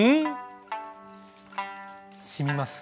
しみます。